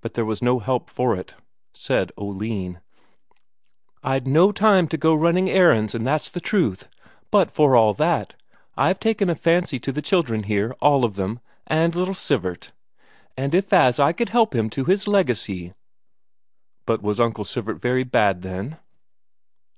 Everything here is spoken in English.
But there was no help for it. Said Oline: "I'd no time to go running errands, and that's the truth; but for all that ... I've taken a fancy to the children here, all of them, and little Sivert, and if as I could help him to his legacy...." "But was Uncle Sivert very bad, then?"